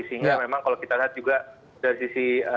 sehingga memang kalau kita lihat juga dari sisi